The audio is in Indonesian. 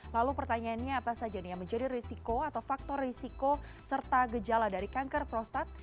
lalu pertanyaannya apa saja nih yang menjadi risiko atau faktor risiko serta gejala dari kanker prostat